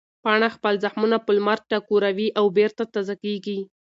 پاڼه خپل زخمونه په لمر ټکوروي او بېرته تازه کېږي.